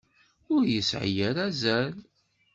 Ur yesɛi ara azal.